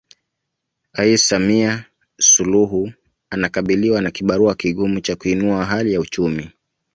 ais Samia Suluhu anakabiliwa na kibarua kigumu cha kuinua hali ya uchumi